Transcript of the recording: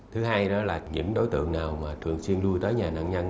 thứ hai đó là những đối tượng nào mà thường xuyên lui tới nhà nạn nhân